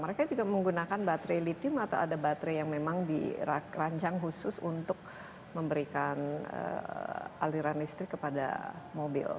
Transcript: mereka juga menggunakan baterai lithium atau ada baterai yang memang dirancang khusus untuk memberikan aliran listrik kepada mobil